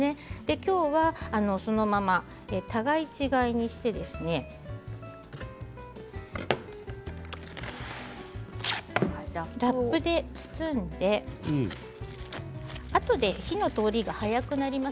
今日は、そのまま互い違いにしてラップで包んであとで火の通りが早くなります。